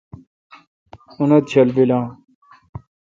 انت چل بیل ان